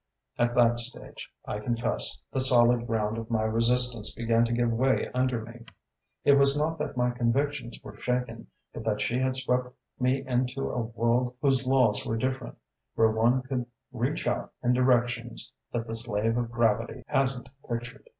"At that stage, I confess, the solid ground of my resistance began to give way under me. It was not that my convictions were shaken, but that she had swept me into a world whose laws were different, where one could reach out in directions that the slave of gravity hasn't pictured.